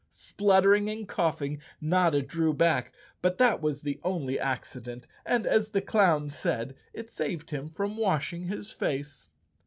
Splut¬ tering and coughing, Notta drew back, but that was the only accident, and as the clown said, it saved him from washing his face.